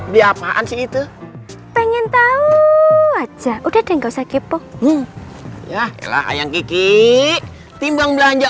diapaan sih itu pengen tahu aja udah deh nggak usah kepo ya elah ayam kiki timbang belanja